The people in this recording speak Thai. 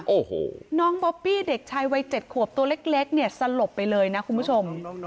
โอ้โหน้องบอบบี้เด็กชายวัย๗ขวบตัวเล็กเนี่ยสลบไปเลยนะคุณผู้ชม